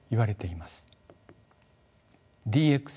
ＤＸ